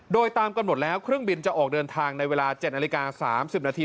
โดยตามกำหนดแล้วเครื่องบินจะออกเดินทางในเวลา๗นาฬิกา๓๐นาที